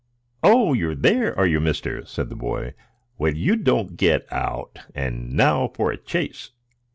"Oh, you are there, are you, mister?" said the boy. "Well, you don't get out; and now for a chase!"